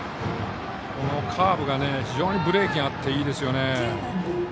このカーブが非常にブレーキがあっていいですよね。